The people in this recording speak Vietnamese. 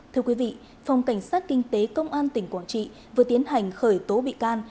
thưa quý vị phòng cảnh sát kinh tế công an tỉnh quảng trị vừa tiến hành khởi tố bị can